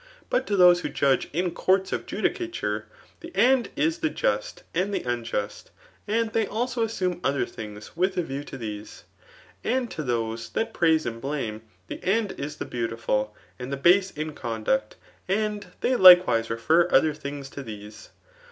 Bbt xo those who judge in courts of judicature^ liie/end is the just and the ui^st ; and diey also assume, odber things witha vi^ to these. , Add to those that praise and blame, the end is the beautiful and the base in conduct ; and they likewise refer other things to these.